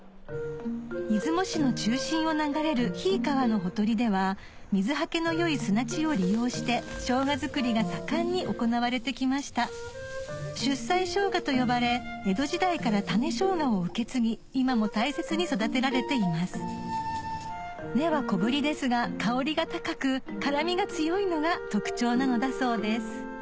出雲市の中心を流れる斐伊川のほとりでは水はけの良い砂地を利用して生姜作りが盛んに行われてきましたと呼ばれ江戸時代から種生姜を受け継ぎ今も大切に育てられています根は小ぶりですが香りが高く辛みが強いのが特徴なのだそうです